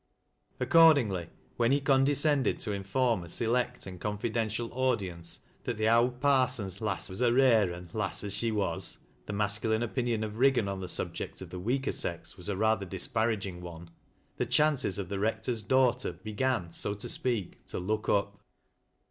Accordingly, when he condescended to inform a select and confidential audience that the " owd parson's lass was a rare un, lass as she was "— (the mas culine opinion of Riggan on the subject of the weaker sei was a rather disparaging one) — the chances of the Eeo tor's daughter began, so to speak, to " look up."